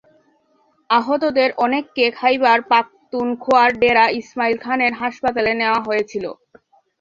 আহতদের অনেককে খাইবার পাখতুনখোয়ার ডেরা ইসমাইল খানের হাসপাতালে নেওয়া হয়েছিল।